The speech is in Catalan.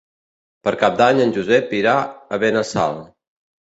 Per Cap d'Any en Josep irà a Benassal.